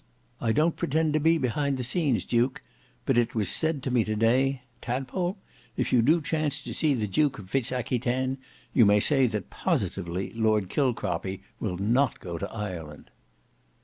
"I don't pretend to be behind the scenes, duke; but it was said to me to day, 'Tadpole, if you do chance to see the Duke of Fitz Aquitaine you may say that positively Lord Killcroppy will not go to Ireland.